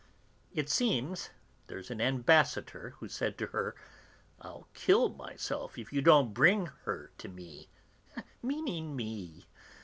It seems, there's an Ambassador who said to her, 'I'll kill myself if you don't bring her to me' meaning me!